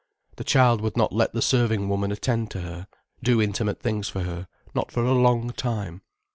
The child would not let the serving woman attend to her, do intimate things for her, not for a long time.